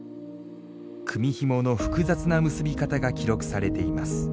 組みひもの複雑な結び方が記録されています。